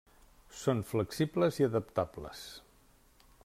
Són flexibles i adaptables.